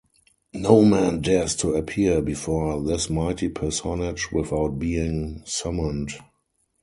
No man dares to appear before this mighty personage without being summoned.